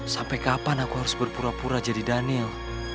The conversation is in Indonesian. sampai kapan aku harus berpura pura jadi daniel